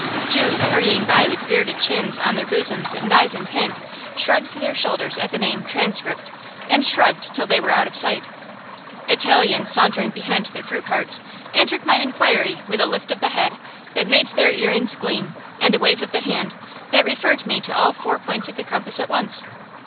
Jews, hurrying by with bearded chins on their bosoms and eyes intent, shrugged their shoulders at the name "Transcript," and shrugged till they were out of sight. Italians sauntering behind their fruit carts answered my inquiry with a lift of the head that made their earrings gleam, and a wave of the hand that referred me to all four points of the compass at once.